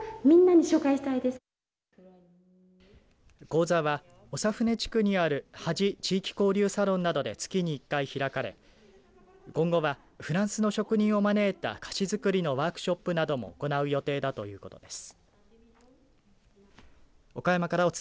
講座は長船地区にある土師地域交流サロンなどで月に１回開かれ今後はフランスの職人を招いた菓子作りのワークショップなども行う予定だということです。